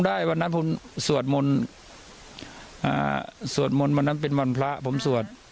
ก็ได้วันนั้นผมสวดมนตร์วันนั้นเป็นวันพระผมสวด